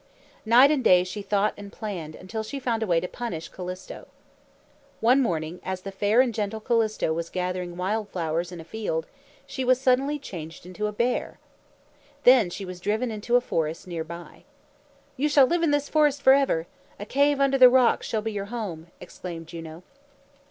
Night and day she thought and planned, until she found a way to punish Callisto. One morning as the fair and gentle Callisto was gathering wild flowers in a field, she was suddenly changed into a bear. Then she was driven into a forest near by. "You shall live in this forest forever! A cave under the rocks shall be your home!" exclaimed Juno.